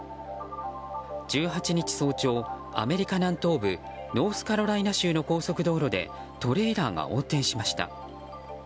１８日早朝、アメリカ南東部ノースカロライナ州の高速道路でトレーラーが横転しました。